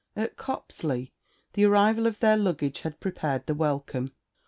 At Copsley the arrival of their luggage had prepared the welcome.